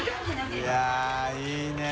いやいいねぇ。